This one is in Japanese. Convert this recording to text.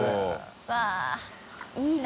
Αうわっいいな。